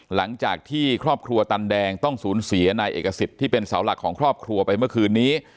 หลังจากที่ครอบครัวตันแดงต้องสูญเสียนายเอกสิทธิ์ที่เป็นเสาหลักของครอบครัวไปเมื่อคืนนี้